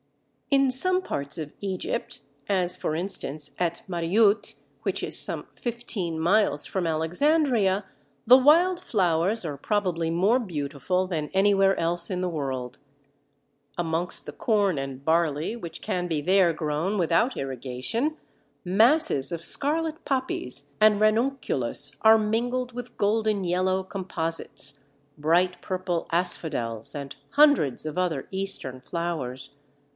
In some parts of Egypt, as for instance at Mariout, which is some fifteen miles from Alexandria, the wild flowers are probably more beautiful than anywhere else in the world. Amongst the corn and barley, which can be there grown without irrigation, masses of scarlet Poppies and Ranunculus are mingled with golden yellow Composites, bright purple Asphodels, and hundreds of other Eastern flowers.